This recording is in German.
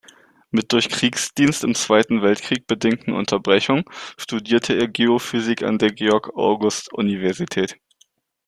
Mit durch Kriegsdienst im Zweiten Weltkrieg bedingten Unterbrechungen studierte er Geophysik an der Georg-August-Universität.